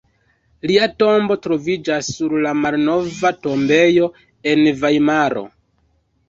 Lia tombo troviĝas sur la Malnova tombejo en Vajmaro.